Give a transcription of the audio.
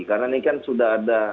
karena ini kan sudah ada